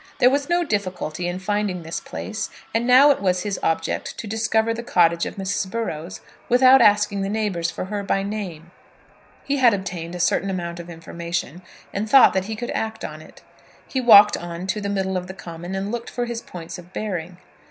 There was no difficulty in finding this place, and now it was his object to discover the cottage of Mrs. Burrows without asking the neighbours for her by name. He had obtained a certain amount of information, and thought that he could act on it. He walked on to the middle of the common, and looked for his points of bearing.